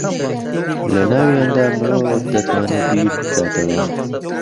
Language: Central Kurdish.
لە ناویاندا مرۆڤ دەتوانێ بیر بکاتەوە